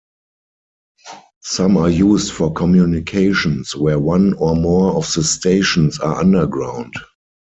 Some are used for communications where one or more of the stations are underground.